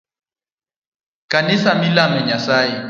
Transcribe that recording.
Kanisa milame nyasaye.